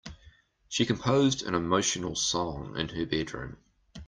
She composed an emotional song in her bedroom.